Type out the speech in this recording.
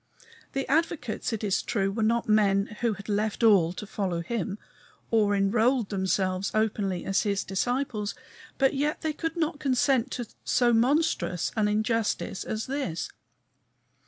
The advocates, it is true, were not men who had left all to follow him, or enrolled themselves openly as his disciples, but yet they could not consent to so monstrous an injustice as this.